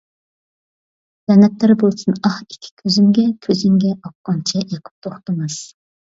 لەنەتلەر بولسۇن ئاھ ئىككى كۆزۈمگە، كۆزۈڭگە ئاققانچە ئېقىپ توختىماس.